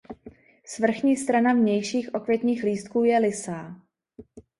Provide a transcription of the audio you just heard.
Svrchní strana vnějších okvětních lístků je lysá.